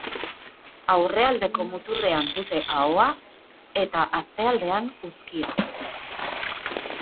Aurrealdeko muturrean dute ahoa, eta atzealdean uzkia.